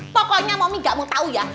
pokoknya mami gak mau tau ya